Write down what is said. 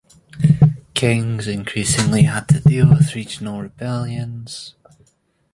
Kings increasingly had to deal with regional rebellions.